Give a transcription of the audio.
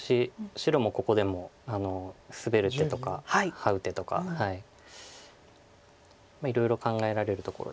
白もここでもスベる手とかハウ手とかいろいろ考えられるところです。